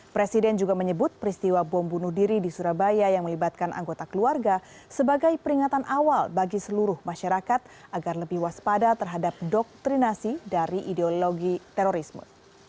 presiden juga menyebut peristiwa bom bunuh diri di surabaya yang melibatkan anggota keluarga sebagai peringatan awal bagi seluruh masyarakat agar lebih waspada terhadap doktrinasi dari ideologi terorisme